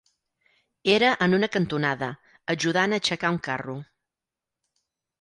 Era en una cantonada, ajudant a aixecar un carro